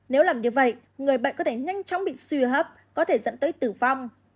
nếu làm như vậy người bệnh có thể nhanh chóng bị suy hấp có thể dẫn tới tử vong